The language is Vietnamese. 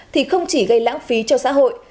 thì không chỉ gây lãng phí cho xã hội